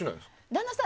旦那さん